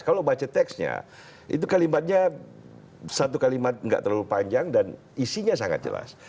kalau baca teksnya itu kalimatnya satu kalimat nggak terlalu panjang dan isinya sangat jelas